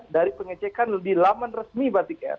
dari pengecekan di laman resmi batik air